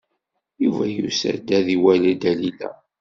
Yuba yusa-d ad iwali Dalila.